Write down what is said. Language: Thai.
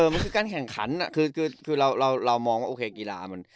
มันคือการแข่งขันคือเรามองว่าโอเคกีฬามัน